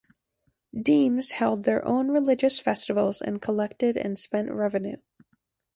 Demes held their own religious festivals and collected and spent revenue.